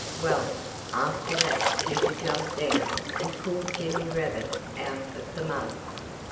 Well, after that Peter jumped down and pulled Jimmy Rabbit out of the mud.